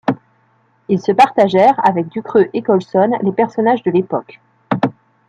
Ils se partagèrent, avec Ducreux et Colson, les personnages de l'époque.